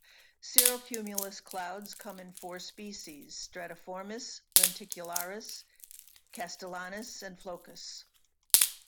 Cirrocumulus clouds come in four species: "stratiformis", "lenticularis", "castellanus", and "floccus".